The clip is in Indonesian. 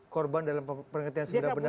korban dalam pengertian sebenar benarnya